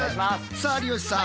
さあ有吉さん